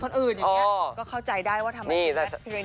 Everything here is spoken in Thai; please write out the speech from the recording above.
ก็คือต้องพูดตรงนะคุณผู้ชายก็คือต้องพูดตรงนะคุณผู้ชายก็คือต้องพูดตรง